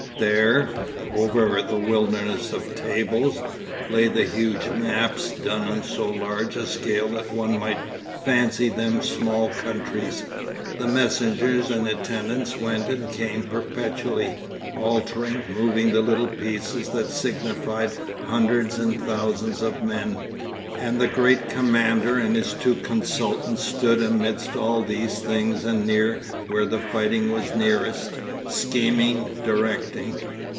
There, over a wilderness of tables, lay the huge maps, done on so large a scale that one might fancy them small countries; the messengers and attendants went and came perpetually, altering, moving the little pieces that signified hundreds and thousands of men, and the great commander and his two consultants stood amidst all these things and near where the fighting was nearest, scheming, directing.